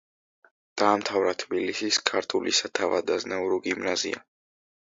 დაამთავრა თბილისის ქართული სათავადაზნაურო გიმნაზია.